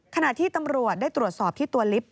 ขณะที่ตำรวจได้ตรวจสอบที่ตัวลิฟต